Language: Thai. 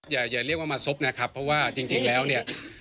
อย่าเรียกว่ามาซบนะครับเพราะว่าจริงแล้วเนี่ย